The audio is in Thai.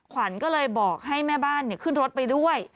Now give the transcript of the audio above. ขวัญก็เลยบอกให้แม่บ้านขึ้นรถไปด้วย